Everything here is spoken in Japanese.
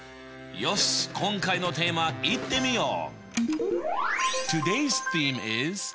よし今回のテーマいってみよう！